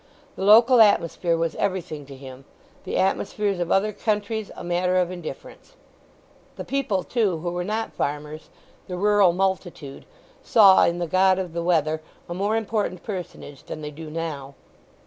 The local atmosphere was everything to him; the atmospheres of other countries a matter of indifference. The people, too, who were not farmers, the rural multitude, saw in the god of the weather a more important personage than they do now.